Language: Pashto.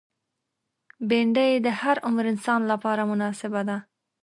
بېنډۍ د هر عمر انسان لپاره مناسبه ده